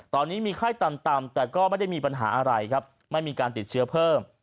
ตอนนี้มีไข้ต่ำแต่ก็ไม่ได้มีปัญหาอะไรครับไม่มีการติดเชื้อเพิ่ม